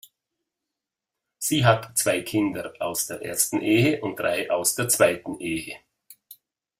Sie hat zwei Kinder aus der ersten Ehe und drei aus der zweiten Ehe.